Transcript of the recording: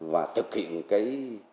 và thực hiện cái